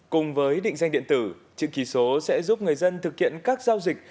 cùng với định danh điện tử chữ kỳ số sẽ giúp người dân thực hiện các giao dịch